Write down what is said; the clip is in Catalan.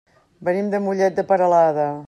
Venim de Mollet de Peralada.